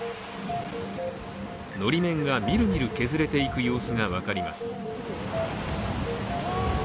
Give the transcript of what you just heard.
のり面がみるみる削れていく様子が分かります。